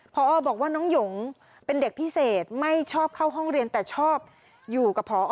พอบอกว่าน้องหยงเป็นเด็กพิเศษไม่ชอบเข้าห้องเรียนแต่ชอบอยู่กับพอ